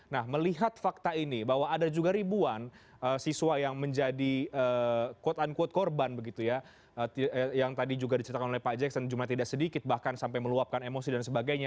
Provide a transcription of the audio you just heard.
nah melihat fakta ini bahwa ada juga ribuan siswa yang menjadi quote unquote korban begitu ya yang tadi juga diceritakan oleh pak jackson jumlah tidak sedikit bahkan sampai meluapkan emosi dan sebagainya